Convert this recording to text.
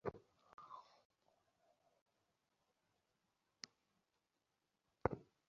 আমি জেগে থাকব আপনার জন্যে।